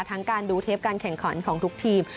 ทั้งการดูเทปการแข่งของทุกทีม